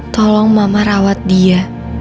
tolong mama rawat dia